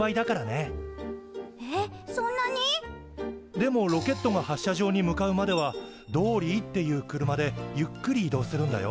でもロケットが発射場に向かうまではドーリーっていう車でゆっくり移動するんだよ。